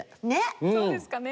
そうですかね。